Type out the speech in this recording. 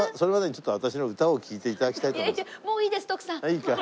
いいか。